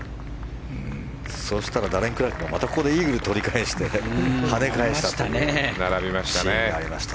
そうしたらダレン・クラークがまたここでイーグル取り返してはね返したというシーンがありました。